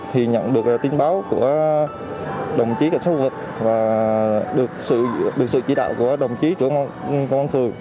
thì nhận được tin báo của đồng chí cảnh sát khu vực và được sự chỉ đạo của đồng chí của công an thường